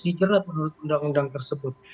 dijerat menurut undang undang tersebut